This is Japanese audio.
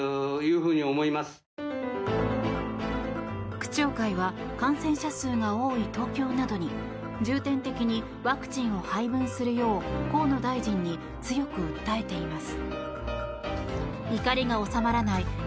区長会は感染者数が多い東京などに重点的にワクチンを配分するよう河野大臣に強く訴えています。